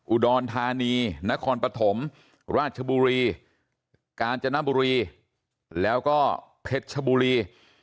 อุดรธานีนครปฐมราชบุรีกาญจนบุรีแล้วก็เพชรชบุรี